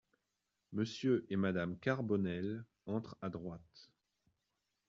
Monsieur et madame Carbonel entrent à droite.